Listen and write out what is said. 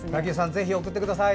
ぜひ送ってください。